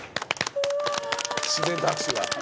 自然と拍手が。